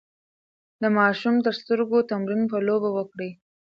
د ماشوم د سترګو تمرين په لوبو وکړئ.